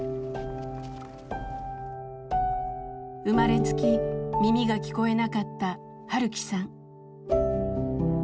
生まれつき耳が聞こえなかった晴樹さん。